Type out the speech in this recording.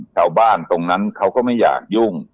ชาวบ้านตรงนั้นเขาก็ไม่อยากยุ่ง